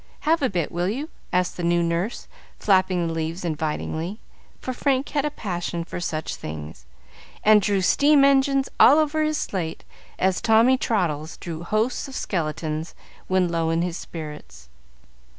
Have a bit, will you?" asked the new nurse, flapping the leaves invitingly. for Frank had a passion for such things, and drew steam engines all over his slate, as Tommy Traddles drew hosts of skeletons when low in his spirits.